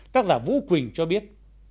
tác giả vũ quỳnh cho biết